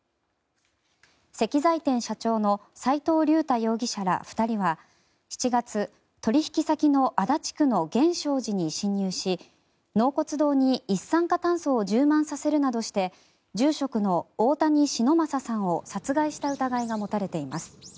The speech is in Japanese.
石材店社長の齋藤竜太容疑者ら２人は７月、取引先の足立区の源証寺に侵入し納骨堂に一酸化炭素を充満させるなどして住職の大谷忍昌さんを殺害した疑いが持たれています。